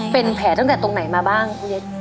เป็นแผลตั้งแต่ตรงไหนมาบ้างคุณเล็ก